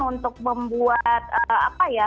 untuk membuat apa ya